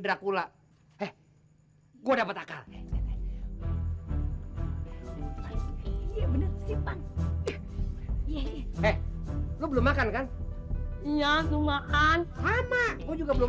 dracula eh gua dapat akal bener bener si pang iya lu belum makan kan iya makan sama juga belum